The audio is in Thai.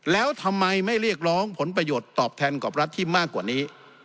แล้วทำไมไม่เรียกร้องผลประโยชน์ตอบแทนกับรัฐที่มากกว่านี้